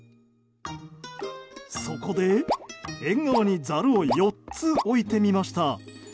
そこで、縁側にザルを４つ置いてみました。